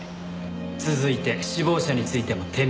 続いて死亡者についても手短に。